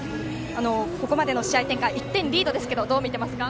ここまでの試合展開は１点リードですがどう見ていますか？